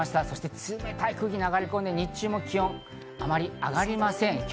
そして冷たい空気が流れ込んで日中も気温があまり上がりません。